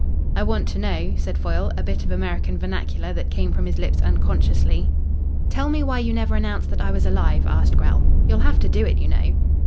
"I want to know," said Foyle, a bit of American vernacular that came from his lips unconsciously. "Tell me why you never announced that I was alive?" asked Grell. "You'll have to do it, you know."